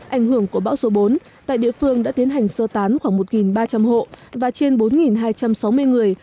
ảnh hưởng của bão số bốn tại địa phương đã tiến hành sơ tán khoảng một ba trăm linh hộ và trên bốn hai trăm sáu mươi người